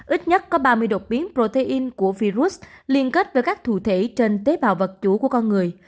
ít nhất có ba mươi đột biến protein của virus liên kết với các thủ thể trên tế bào vật chủ của con người